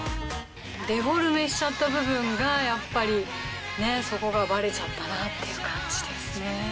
デフォルメしちゃった部分がやっぱりねえそこがバレちゃったなっていう感じですね。